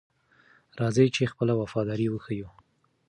راځئ چې خپله وفاداري وښیو.